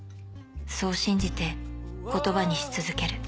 ［そう信じて言葉にし続ける］